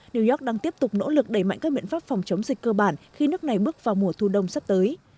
new york đang tiếp tục nỗ lực đẩy mạnh các biện pháp phòng chống dịch cơ bản khi nước này bước vào mùa thu đông sắp tới